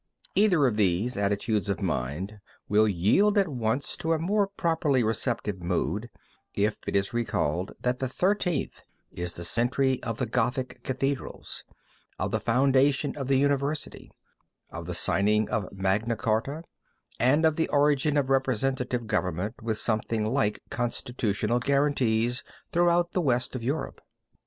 Either of these attitudes of mind will yield at once to a more properly receptive mood if it is recalled that the Thirteenth is the century of the Gothic cathedrals, of the foundation of the university, of the signing of Magna Charta, and of the origin of representative government with something like constitutional guarantees throughout the west of Europe.